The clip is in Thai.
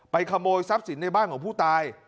ขโมยทรัพย์สินในบ้านของผู้ตาย